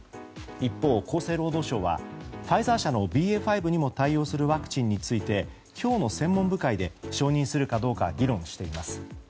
一方、厚生労働省はファイザー社のＢＡ．５にも対応するワクチンについて今日の専門部会で承認するかどうか議論しています。